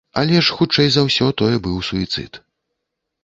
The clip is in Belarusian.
Але ж, хутчэй за ўсё, тое быў суіцыд.